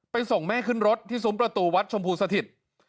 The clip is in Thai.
ส่งแม่ขึ้นรถที่ซุ้มประตูวัดชมพูสถิต